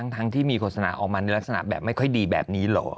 ทั้งที่มีโฆษณาออกมาในลักษณะแบบไม่ค่อยดีแบบนี้เหรอ